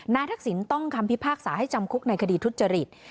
ทักษิณต้องคำพิพากษาให้จำคุกในคดีทุจริต